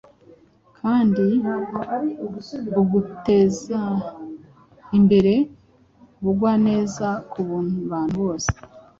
kandi bugateza imbere ubugwaneza ku bantu bose.